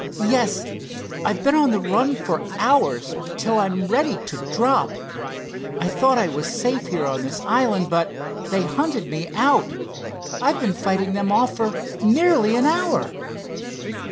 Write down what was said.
"Yes, I've been on a run for hours, till I'm ready to drop. I thought I was safe here on this island, but they hunted me out. I've been fighting them off for nearly an hour."